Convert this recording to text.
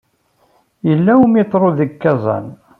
Yella umiṭru deg Kazan.